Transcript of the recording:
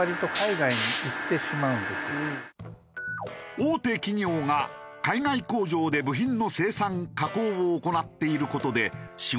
大手企業が海外工場で部品の生産加工を行っている事で仕事が減少。